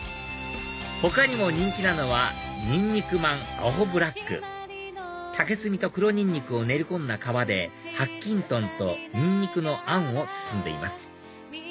他にも人気なのはニンニクまんアホブラック竹炭と黒ニンニクを練り込んだ皮で白金豚とニンニクのあんを包んでいます